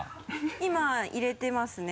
今入れてますね。